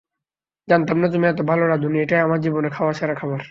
জানতাম না তুমি এত ভালো রাঁধুনি -এটাই আমার জীবনে খাওয়া সেরা খাবার!